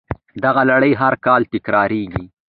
دغه لړۍ هر کال تکراریږي